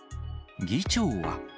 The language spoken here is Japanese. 議長は。